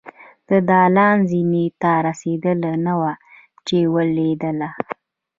د دالان زينې ته رسېدلې نه وه چې ولوېدله.